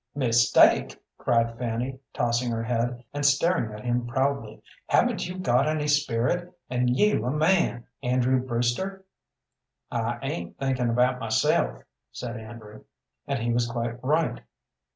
"Mistake?" cried Fanny, tossing her head, and staring at him proudly. "Haven't you got any spirit, and you a man, Andrew Brewster?" "I ain't thinking about myself," said Andrew. And he was quite right.